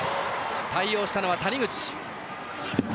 対応したのは谷口。